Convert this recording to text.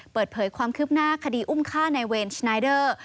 เปิดเผยความคืบหน้าคดีอุ้มฆ่าในเวรสนายเดอร์